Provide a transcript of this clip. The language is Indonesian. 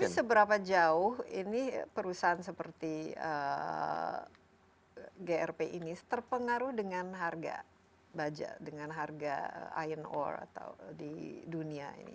tapi seberapa jauh ini perusahaan seperti grp ini terpengaruh dengan harga baja dengan harga ion ore atau di dunia ini